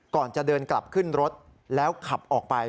ก่อนจะเดินกลับขึ้นรถแล้วขับออกไป